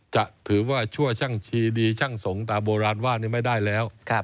จะถือว่าชั่วช่างชีดีช่างสงฆ์ตามโบราณว่านี่ไม่ได้แล้ว